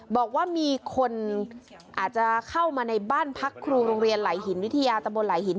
บอกว่ามีคนอาจจะเข้ามาในบ้านพักครูโรงเรียนไหลหินวิทยาตะบนไหลหิน